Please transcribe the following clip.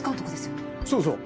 そうそう。